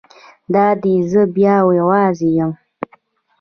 دا دی زه بیا یوازې یم.